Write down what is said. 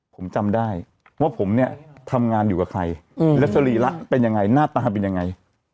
ผมจำได้ว่าผมเนี่ยทำงานอยู่กับใครและสรีระเป็นยังไงหน้าตาเป็นยังไง